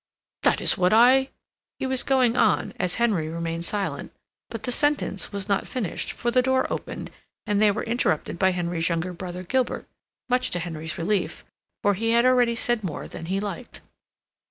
"That is what I—" he was going on, as Henry remained silent, but the sentence was not finished, for the door opened, and they were interrupted by Henry's younger brother Gilbert, much to Henry's relief, for he had already said more than he liked.